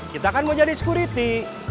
kita kan mau jadi security